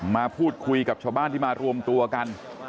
มาพูดคุยกับชาวบ้านที่มารวมตัวกัน